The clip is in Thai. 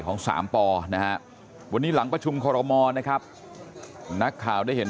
ของสามปนะฮะวันนี้หลังประชุมคอรมอนะครับนักข่าวได้เห็น